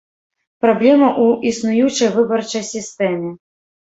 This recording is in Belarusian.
Праблема ў існуючай выбарчай сістэме.